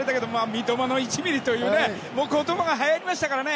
三笘の１ｍｍという言葉もはやりましたからね。